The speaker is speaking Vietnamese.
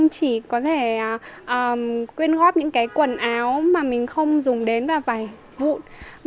chỉ có thể quyên góp những quần áo mà mình không dùng đến và vải vụn